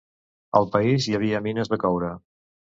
Al país hi havia mines de coure.